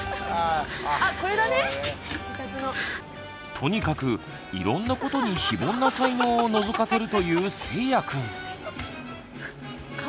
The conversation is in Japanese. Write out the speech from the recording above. とにかくいろんなことに非凡な才能をのぞかせるというせいやくん。